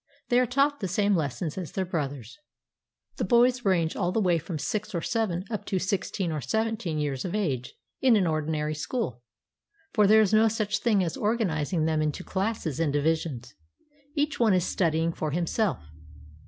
They are taught the same lessons as their brothers. The boys range all the way from six or seven up to six teen or seventeen years of age, in an ordinary school; for there is no such thing as organizing them into classes and divisions; each one is studying for himself.